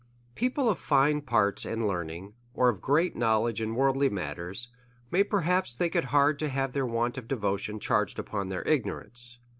People of fine parts and learning, or of g reatknow ledge in worldly matters, may perhaps think it hard to have their want of devotion charged upon their igno rance.